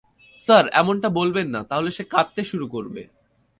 Sir, এমনটা বলবেন না, তাহলে সে কাঁদতে শুরু করবে।